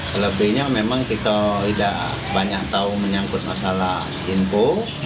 selebihnya memang kita tidak banyak tahu menyangkut masalah info